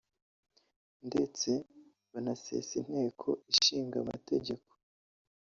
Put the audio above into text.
ndetse banasesa Inteko Ishinga Amategeko